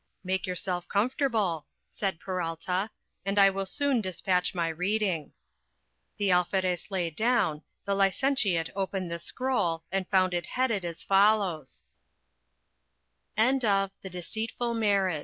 "Make yourself comfortable," said Peralta; "and I will soon despatch my reading." The Alferez lay down; the licentiate opened the scroll, and found it headed as follows:— DIALOGUE BETWEEN SCIPIO AND B